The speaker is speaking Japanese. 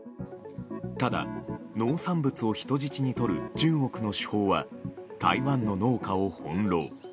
ただ、農産物を人質にとる中国の手法は台湾の農家を翻弄。